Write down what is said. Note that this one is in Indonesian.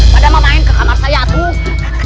pada mau main ke kamar saya tuh